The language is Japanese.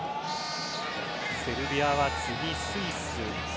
セルビアは次、スイス。